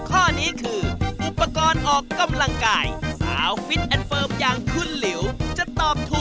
สรุปอุปกรณ์ออกกำลังกายชิ้นไหนราคาถูกที่สุดรอคะ